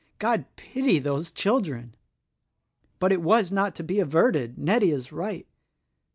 God pity those children! "But it was not to be averted. Nettie is right.